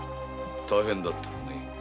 大変だったね。